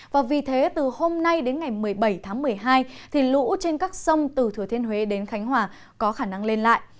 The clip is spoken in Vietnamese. và vì thế từ hôm nay đến ngày một mươi bảy tháng một mươi hai thì lũ trên các sông từ thừa thiên huế đến khánh hòa có khả năng lên lại